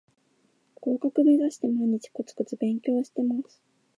合格めざして毎日コツコツ勉強してます